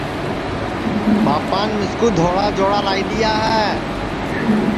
ٻاپان مِسکُو دھوݪا جوڑا لائی دؔیا ہے